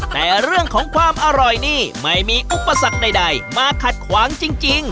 แต่เรื่องของความอร่อยนี่ไม่มีอุปสรรคใดมาขัดขวางจริง